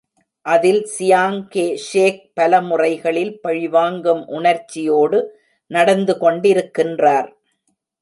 அதில், Chiang Kai shek பலமுறைகளில் பழிவாங்கும் உணர்ச்சியோடு நடந்து கொண்டிருக்கின்றார்.